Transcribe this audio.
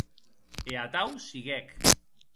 E atau siguec.